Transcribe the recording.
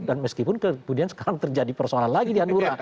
dan meskipun kemudian sekarang terjadi persoalan lagi di hanura